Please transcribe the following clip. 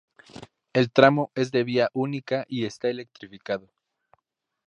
El tramo es de vía única y está electrificado.